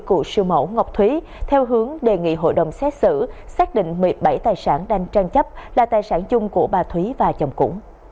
cựu siêu mẫu ngọc thúy theo hướng đề nghị hội đồng xét xử xác định một mươi bảy tài sản đang tranh chấp là tài sản chung của bà thúy và chồng cũ